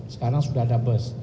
sekarang sudah ada bus